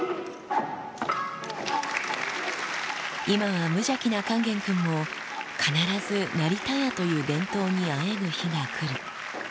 今は無邪気な勸玄君も、必ず成田屋という伝統にあえぐ日が来る。